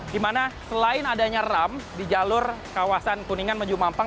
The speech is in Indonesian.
di mana selain adanya ram di jalur kawasan kuningan menuju mampang